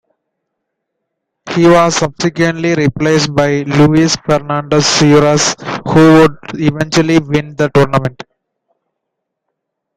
He was subsequently replaced by Luis Fernando Suarez, who would eventually win the tournament.